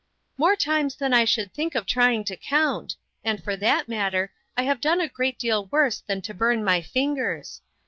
" More times than I should think of try ing to count ; and, for that matter, I have done a great deal worse than to burn my fingers.